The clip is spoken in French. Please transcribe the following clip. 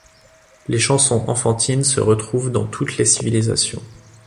Les chansons enfantines se retrouvent dans toutes les civilisations.